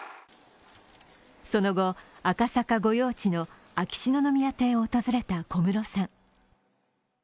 その後、赤坂御用地の秋篠宮邸を訪れた小室さん。